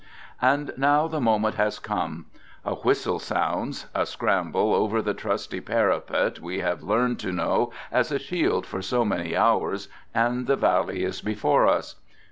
And now the moment has come. A whistle sounds — a scramble over the trusty parapet we have learned tc know as a shield for so many hours, and the valley is before us.